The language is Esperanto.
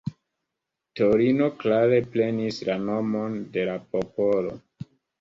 Torino klare prenis la nomon de la popolo.